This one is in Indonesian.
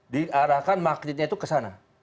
diarahkan magnetnya itu kesana